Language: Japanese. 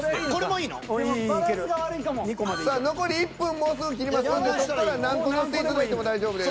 さあ残り１分もうすぐ切りますんでそこから何個載せていただいても大丈夫です。